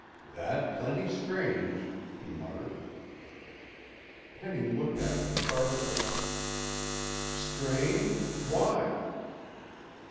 "That plenty strange," he muttered. Penny looked at him sharply. "Strange? Why?"